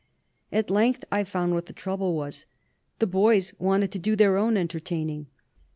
"At length I found what the trouble was the boys wanted to do their own entertaining.